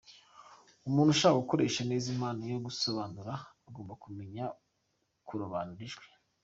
Umuntu nashaka gukoresha neza impano yo gusobanura, agomba kumenya kurobanura ijwi.